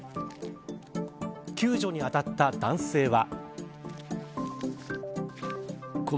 救助に当たった男性は。